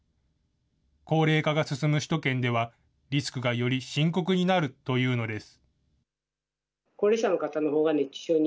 高齢化が進む首都圏では、リスクがより深刻になるというのです。